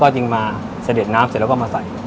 จึงมาเสด็จน้ำเสร็จแล้วก็มาใส่